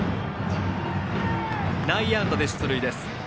内野安打で出塁です。